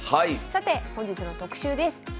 さて本日の特集です。